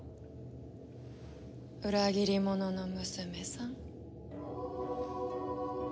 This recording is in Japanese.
裏切り者の娘さん。